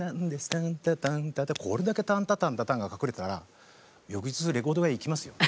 これだけタンタタンタタンが隠れてたら翌日レコード屋へ行きますよね。